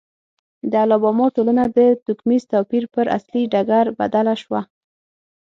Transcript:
د الاباما ټولنه د توکمیز توپیر پر اصلي ډګر بدله شوه.